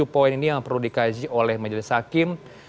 tujuh poin ini yang perlu dikaji oleh majelis hakim